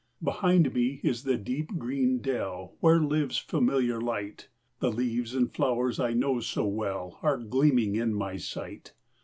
Behind me is the deep green dell Where lives familiar light; The leaves and flowers I know so well Are gleaming in my sight.